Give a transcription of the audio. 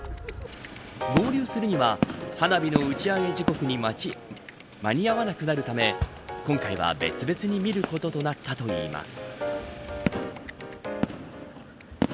合流するには花火の打ち上げ時刻に間に合わなくなるため今回は別々に見ることとなったといいます。